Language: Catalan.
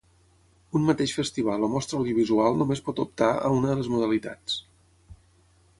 Un mateix festival o mostra audiovisual només pot optar a una de les modalitats.